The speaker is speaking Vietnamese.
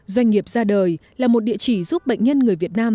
doanh nghiệp ra đời là một địa chỉ giúp bệnh nhân người việt nam